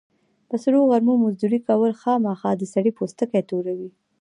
په سرو غرمو مزدوري کول، خوامخا د سړي پوستکی توروي.